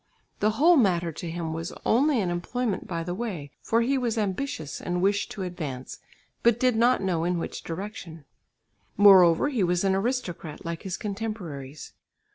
The whole matter to him was only an employment by the way, for he was ambitious and wished to advance, but did not know in which direction. Moreover he was an aristocrat like his contemporaries.